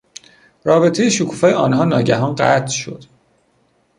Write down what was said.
رابطهی شکوفای آنها ناگهان قطع شد.